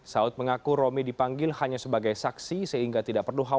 saud mengaku romi dipanggil hanya sebagai saksi sehingga tidak perlu khawatir